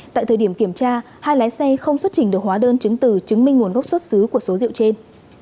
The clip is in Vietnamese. tại thời điểm kiểm tra hai lái xe không xuất trình được hóa đơn chứng từ chứng minh nguồn gốc xuất xứ của số rượu trên